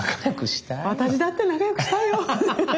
私だって仲よくしたいよ。